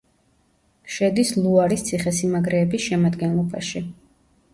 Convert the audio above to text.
შედის ლუარის ციხესიმაგრეების შემადგენლობაში.